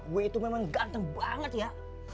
gue itu memang ganteng banget ya